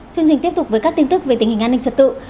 chương trình tiếp tục với các tin tức về tình hình an ninh trật tự